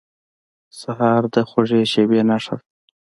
سهار د خوږې شېبې نښه ده.